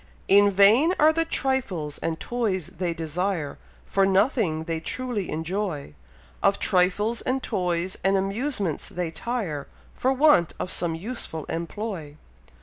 In vain are the trifles and toys they desire, For nothing they truly enjoy; Of trifles, and toys, and amusements they tire, For want of some useful employ.